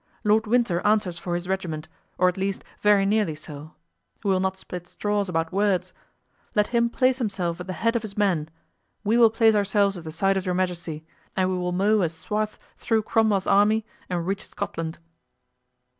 Lord Winter answers for his regiment, or at least very nearly so—we will not split straws about words—let him place himself at the head of his men, we will place ourselves at the side of your majesty, and we will mow a swath through Cromwell's army and reach Scotland."